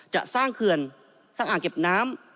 จะสร้างเคือนสะอาเก็บน้ำ